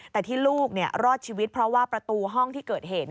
แต่ที่ลูกรอดชีวิตเพราะว่าประตูห้องที่เกิดเหตุ